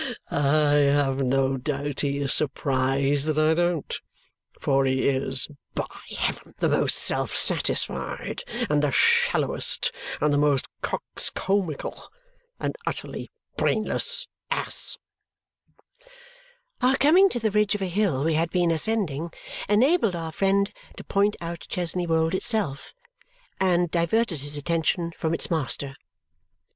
I have no doubt he is surprised that I don't. For he is, by heaven, the most self satisfied, and the shallowest, and the most coxcombical and utterly brainless ass!" Our coming to the ridge of a hill we had been ascending enabled our friend to point out Chesney Wold itself to us and diverted his attention from its master.